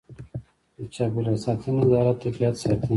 د چاپیریال ساتنې اداره طبیعت ساتي